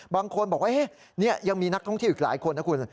บางคนบอกว่านี่ยังมีนักท่องเที่ยวอีกหลายคนนะคุณ